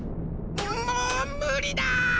もうむりだ！